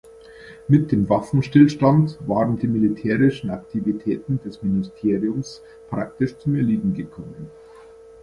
Mit dem Waffenstillstand waren die militärischen Aktivitäten des Ministeriums praktisch zum Erliegen gekommen.